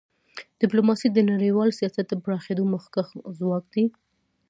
ډیپلوماسي د نړیوال سیاست د پراخېدو مخکښ ځواک دی.